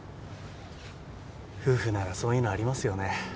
夫婦ならそういうのありますよね。